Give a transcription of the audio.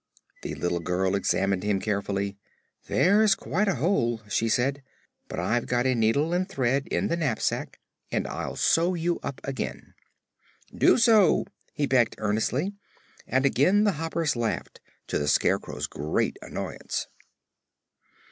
The little girl examined him carefully. "There's quite a hole," she said. "But I've got a needle and thread in the knapsack and I'll sew you up again." "Do so," he begged earnestly, and again the Hoppers laughed, to the Scarecrow's great annoyance.